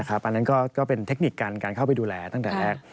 อันนั้นก็เป็นเทคนิคการเข้าไปดูแลตั้งแต่แรก